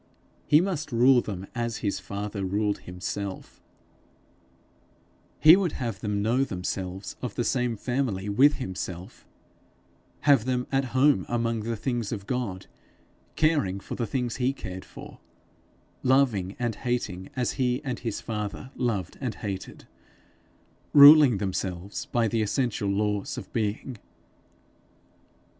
He must rule them as his father ruled himself; he would have them know themselves of the same family with himself; have them at home among the things of God, caring for the things he cared for, loving and hating as he and his father loved and hated, ruling themselves by the essential laws of being.